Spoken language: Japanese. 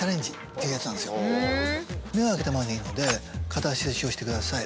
目を開けたままでいいので片足立ちをしてください。